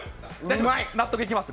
納得いってます？